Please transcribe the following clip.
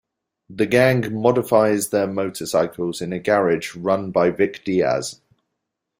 The gang modifies their motorcycles in a garage run by Vic Diaz.